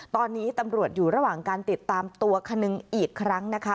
ตอนนี้ตำรวจอยู่ระหว่างการติดตามตัวคนนึงอีกครั้งนะคะ